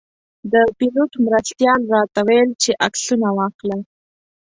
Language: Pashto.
د پیلوټ مرستیال راته ویل چې عکسونه واخلئ.